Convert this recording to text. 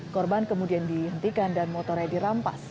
korban kemudian dihentikan dan motornya dirampas